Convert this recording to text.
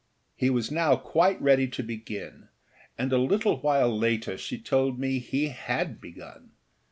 He was now quite ready to begin, and a little while later she told me he had begun.